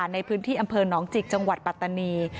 ในพื้นที่อำเภอหนองจิกจังหวัดปัตตานี